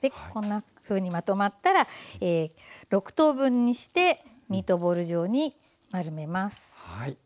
こんなふうにまとまったら６等分にしてミートボール状に丸めます。